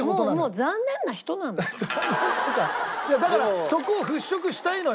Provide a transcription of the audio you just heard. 残念というかいやだからそこを払拭したいのよ